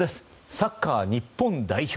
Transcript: サッカー日本代表